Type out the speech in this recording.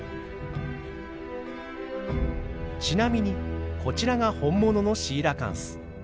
ちなみにこちらが本物のシーラカンス。